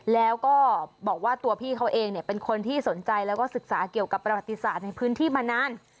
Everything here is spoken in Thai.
แล้วก็บอกว่าตัวพี่เขาเองเป็นคนที่สนใจแล้วก็ศึกษาเกี่ยวกับประวัติศาสตร์ในพื้นที่มานาน